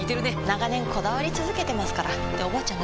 長年こだわり続けてますからっておばあちゃん